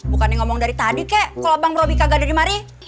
bukannya ngomong dari tadi kek kalau bang robbie kagak ada di mari